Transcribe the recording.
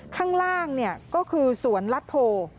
ข้างล่างก็คือสวนลัดโพ